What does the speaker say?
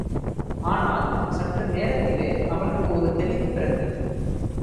ஆனால், சற்று நேரத்திலே அவளுக்கு ஒரு தெளிவு பிறந்தது.